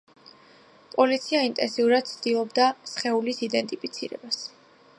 პოლიცია ინტენსიურად ცდილობდა სხეულის იდენტიფიცირებას.